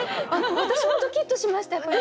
私もドキッとしました。